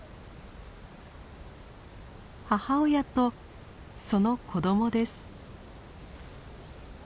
母親とその子どもです。